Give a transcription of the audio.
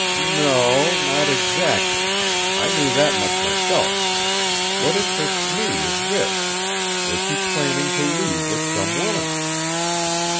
"No o, not exactly. I knew that much myself. What interests me is this was he planning to leave with some woman?"